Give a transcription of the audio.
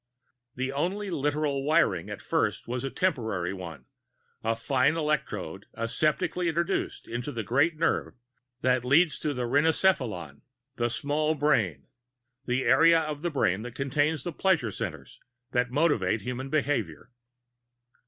The only literal wiring, at first, was a temporary one a fine electrode aseptically introduced into the great nerve that leads to the rhinencephalon the "small brain," the area of the brain which contains the pleasure centers that motivate human behavior.